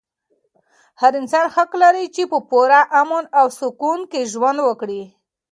هر انسان حق لري چې په پوره امن او سکون کې ژوند وکړي.